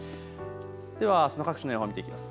ではあすの各地の予報を見ていきます。